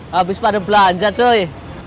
habis pada belanja cuy